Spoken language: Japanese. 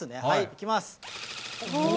いきます。